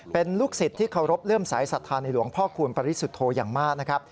เป็นลูกศิษย์ที่เคารพเลื่อมสายศาลหลวงพ่อคูณปริศุโธอย่างมาก